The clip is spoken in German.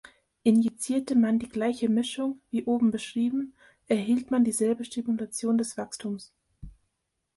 Injizierte man die gleiche Mischung, wie oben beschrieben, erhielt man dieselbe Stimulation des Wachstums.